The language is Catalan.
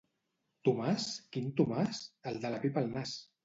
—Tomàs? —Quin Tomàs? —El de la pipa al nas.